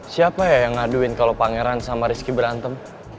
siapa ya yang ngaduin kalau pangeran sama rizky berantem